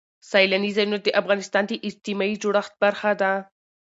سیلانی ځایونه د افغانستان د اجتماعي جوړښت برخه ده.